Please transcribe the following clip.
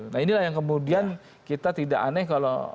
nah inilah yang kemudian kita tidak aneh kalau